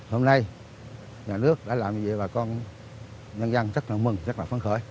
hôm nay nhà nước đã làm gì bà con nhân dân rất là mừng rất là phân khởi